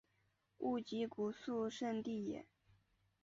勿吉古肃慎地也。